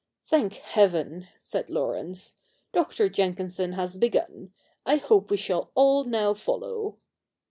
' Thank Heaven,' said Laurence, ' Dr. Jenkinson has begun. I hope we shall all now follow.'